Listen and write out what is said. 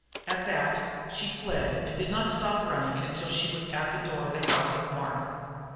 At that she fled and did not stop running until she was at the door of the house of Mark.